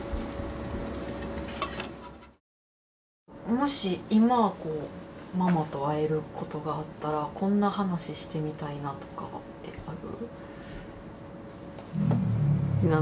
もし今ママと会えることがあったらこんな話をしてみたいなとかってある？